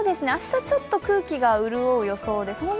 明日、ちょっと空気が潤う予想です。